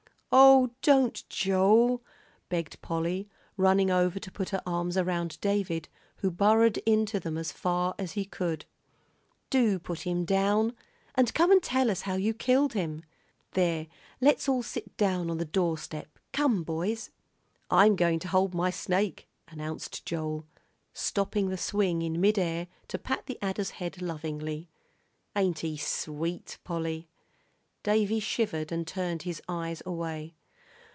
"Oh, don't, Joe!" begged Polly, running over to put her arms around David, who burrowed into them as far as he could. "Do put him down, and come and tell us how you killed him. There, let's all sit down on the doorstep. Come, boys." "I'm going to hold my snake," announced Joel, stopping the swing in mid air to pat the adder's head lovingly. "Ain't he sweet, Polly?" Davie shivered and turned his eyes away.